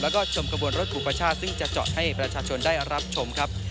แล้วก็ชมกระบวนรถอุปชาติซึ่งจะเจาะให้ประชาชนได้รับชมครับ